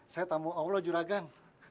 saya tamu allah juragan